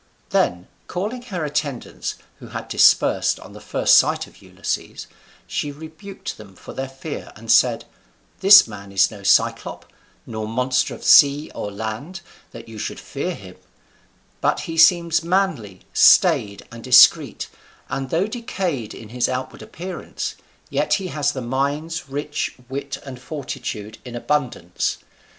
Then calling her attendants, who had dispersed on the first sight of Ulysses, she rebuked them for their fear, and said: "This man is no Cyclop, nor monster of sea or land, that you should fear him; but he seems manly, staid, and discreet, and though decayed in his outward appearance, yet he has the mind's riches, wit and fortitude, in abundance.